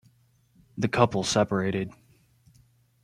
The couple separated.